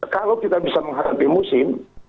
kalau kita bisa menghadapi musim